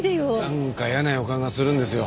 なんか嫌な予感がするんですよ。